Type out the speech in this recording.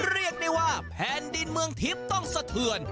เรียกได้ว่าแผ่นดินเมืองทิพย์ต้องสะเทือน